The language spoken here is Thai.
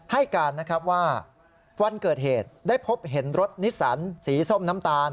ให้การนะครับว่าวันเกิดเหตุได้พบเห็นรถนิสสันสีส้มน้ำตาล